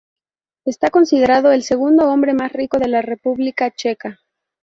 Está considerado el segundo hombre más rico de la República Checa.